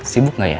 sibuk gak ya